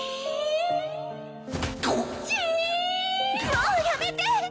もうやめて！